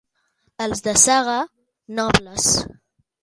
Els de Saga, nobles.